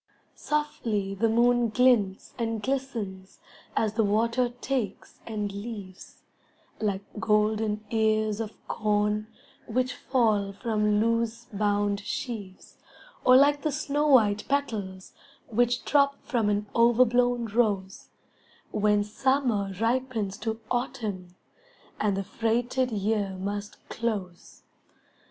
Softly the moon glints and glistens As the water takes and leaves, Like golden ears of corn Which fall from loose bound sheaves, Or like the snow white petals Which drop from an overblown rose, When Summer ripens to Autumn And the freighted year must close.